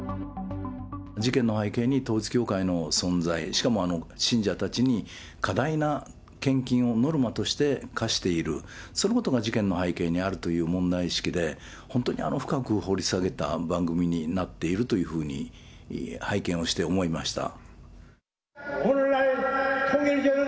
事件の背景に統一教会の存在、しかも信者たちに過大な献金をノルマとして課している、そのことが事件の背景にあるという問題意識で、本当に深く掘り下げた番組になっているというふうに拝見をして思いました。